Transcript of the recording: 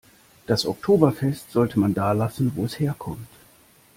Das Oktoberfest sollte man da lassen, wo es herkommt.